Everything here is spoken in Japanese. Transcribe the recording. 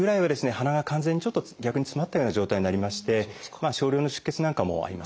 鼻が完全に逆につまったような状態になりまして少量の出血なんかもあります。